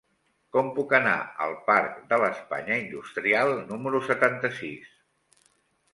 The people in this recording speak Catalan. Com puc anar al parc de l'Espanya Industrial número setanta-sis?